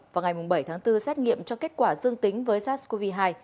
vào ngày bảy tháng bốn xét nghiệm cho kết quả dương tính với sars cov hai